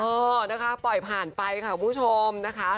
เออนะคะปล่อยผ่านไปค่ะคุณผู้ชมนะคะ